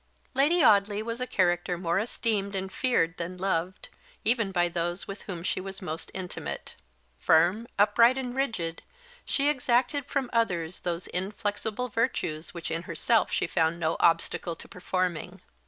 Lady Audley was a character more esteemed and feared than loved, even by those with whom she was most intimate. Firm, upright, and rigid, she exacted from others those inflexible virtues which in herself she found no obstacle to performing.